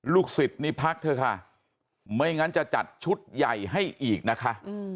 สิทธิ์นี้พักเถอะค่ะไม่งั้นจะจัดชุดใหญ่ให้อีกนะคะ